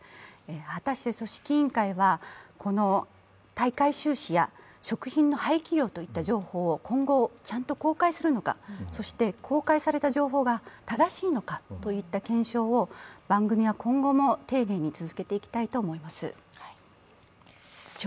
果たして組織委員会は、この大会収支や食品の廃棄量の情報を今後ちゃんと公開するのか、そして公開された情報が正しいのかといった検証を番組は今後も続けていきたいと思います。